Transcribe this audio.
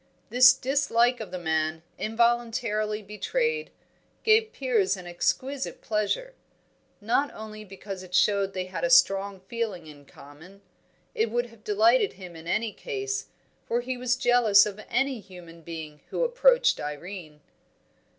This dislike of the man, involuntarily betrayed, gave Piers an exquisite pleasure. Not only because it showed they had a strong feeling in common; it would have delighted him in any case, for he was jealous of any human being who approached Irene.